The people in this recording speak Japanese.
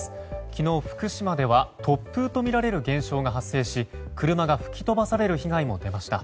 昨日、福島では突風とみられる現象が発生し車が吹き飛ばされる被害も出ました。